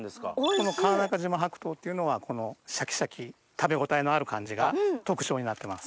この川中島白桃っていうのはシャキシャキ食べ応えのある感じが特徴になってます。